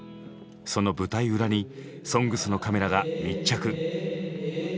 その舞台裏に「ＳＯＮＧＳ」のカメラが密着。